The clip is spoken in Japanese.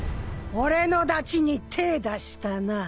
俺のダチに手ぇ出したな。